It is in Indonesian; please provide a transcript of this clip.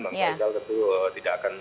maksudnya kalau tidak akan